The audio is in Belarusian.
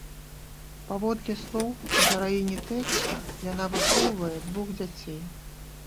Паводле слоў гераіні тэкста, яна выхоўвае двух дзяцей.